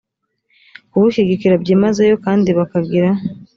kuwushyigikira byimazeyo kandi bakagira